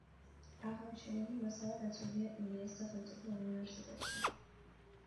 აღმოჩენილი მასალა დაცულია ილიას სახელმწიფო უნივერსიტეტში.